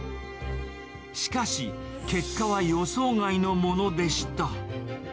しかし、結果は予想外のものでした。